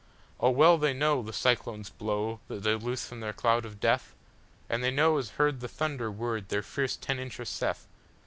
Oh, well they know the cyclones blow that they loose from their cloud of death, And they know is heard the thunder word their fierce ten incher saith!